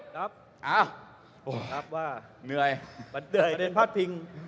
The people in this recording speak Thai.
ครับว่าโดยในพาตปิง